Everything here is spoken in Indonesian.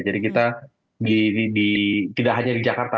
kita tidak hanya di jakarta